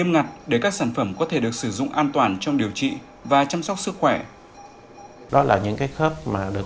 mở ra những khả năng mới trong điều trị và chăm sóc sức khỏe tại việt nam